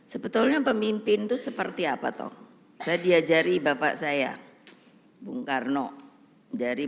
sebetulnya pemimpin itu seperti apa toh saya diajari bapak saya bung karno dari